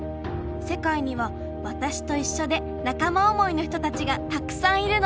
世界にはわたしといっしょで仲間思いの人たちがたくさんいるの。